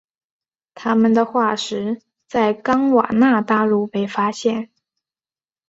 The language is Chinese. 它们的化石在冈瓦纳大陆被发现。